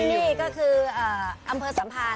ที่นี่ก็คืออ่าอำเภอสัมพาน